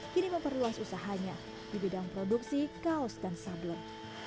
kini memperluas usahanya di bidang produksi kaos dan sablon